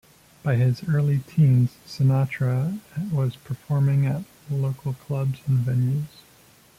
By his early teens, Sinatra was performing at local clubs and venues.